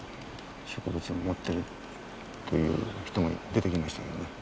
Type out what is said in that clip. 植物は持ってるっていう人も出てきましたよね。